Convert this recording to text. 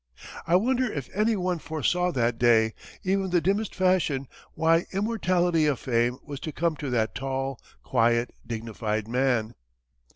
I wonder if any one foresaw that day, even in the dimmest fashion, what immortality of fame was to come to that tall, quiet, dignified man?